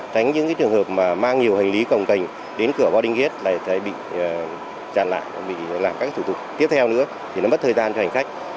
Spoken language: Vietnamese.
tránh những trường hợp mà mang nhiều hành lý cồng cành đến cửa boarding gate lại bị chặn lại bị làm các thủ tục tiếp theo nữa thì nó mất thời gian cho hành khách